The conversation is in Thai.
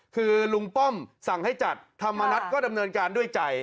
คือลุงป้อมสั่งให้จัดธรรมนัฐก็ดำเนินการด้วยใจ